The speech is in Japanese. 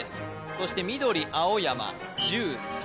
そして緑青山１３